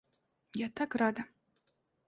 Я так рада!